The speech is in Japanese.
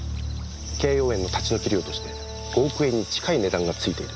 敬葉園の立ち退き料として５億円に近い値段がついている。